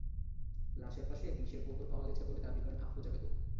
লাশের পাশে বিষের বোতল পাওয়া গেছে বলে দাবি করেন আফরোজা বেগম।